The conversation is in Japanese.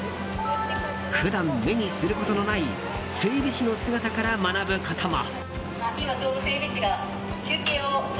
普段目にすることのない整備士の姿から学ぶことも。